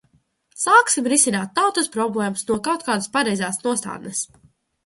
Sāksim risināt tautas problēmas no kaut kādas pareizas nostādnes.